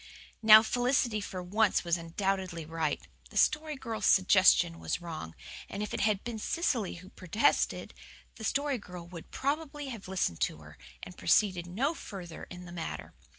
Now, Felicity for once was undoubtedly right. The Story Girl's suggestion WAS wrong; and if it had been Cecily who protested, the Story Girl would probably have listened to her, and proceeded no further in the matter.